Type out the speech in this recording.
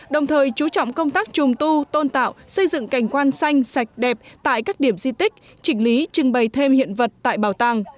đồng thời chú trọng công tác trùng tu tôn tạo xây dựng cảnh quan xanh sạch đẹp tại các điểm di tích chỉnh lý trưng bày thêm hiện vật tại bảo tàng